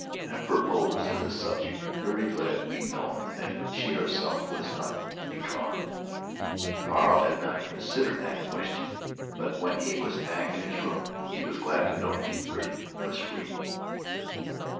Apropos of this subject, Gertie let it be known that she herself was not betrothed. Carl had not considered that question; but when he was back in his room he was glad to know that Gertie was free.